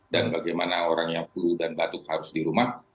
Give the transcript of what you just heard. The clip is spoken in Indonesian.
dan bagaimana orang yang kulu dan batuk harus di rumah